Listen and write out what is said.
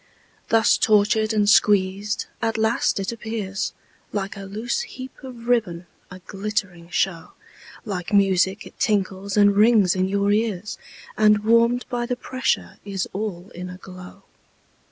Thus tortured and squeezed, at last it appears Like a loose heap of ribbon, a glittering show, Like music it tinkles and rings in your ears, And warm'd by the pressure is all in a glow.